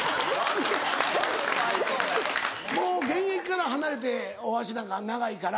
もう現役から離れて大橋なんか長いから。